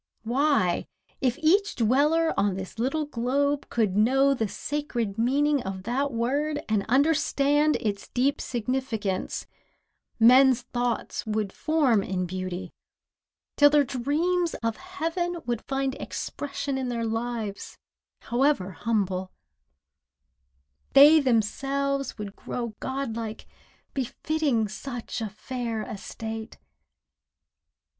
Why, if each dweller on this little globe Could know the sacred meaning of that word And understand its deep significance, Men's thoughts would form in beauty, till their dreams Of heaven would find expression in their lives, However humble; they themselves would grow Godlike, befitting such a fair estate.